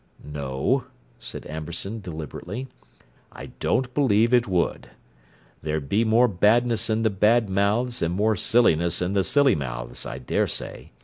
"No," said Amberson deliberately; "I don't believe it would. There'd be more badness in the bad mouths and more silliness in the silly mouths, I dare say.